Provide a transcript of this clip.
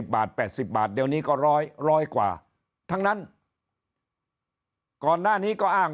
บาท๘๐บาทเดี๋ยวนี้ก็๑๐๐กว่าทั้งนั้นก่อนหน้านี้ก็อ้าง